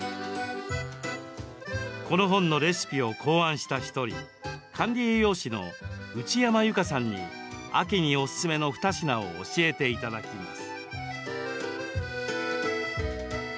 この本のレシピを考案した１人管理栄養士の内山由香さんに秋におすすめの２品を教えていただきます。